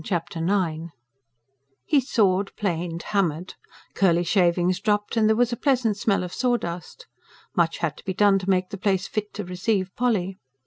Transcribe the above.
Chapter IX He sawed, planed, hammered; curly shavings dropped and there was a pleasant smell of sawdust. Much had to be done to make the place fit to receive Polly.